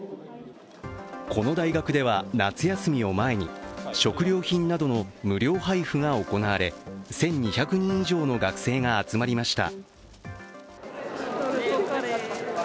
この大学では、夏休みを前に食料品などの無料配布が行われ１２００人以上の学生が集まりました。